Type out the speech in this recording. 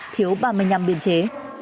thiếu ba mươi năm biên chế